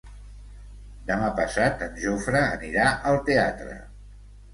Demà passat en Jofre anirà al teatre.